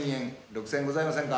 ６，０００円ございませんか？